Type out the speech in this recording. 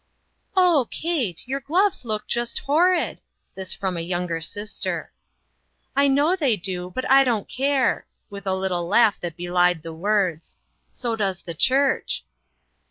" O, Kate ! your gloves look just horrid." This from a younger sister. " I know they do, but I don't care," with a little laugh that belied the words; "so does the church."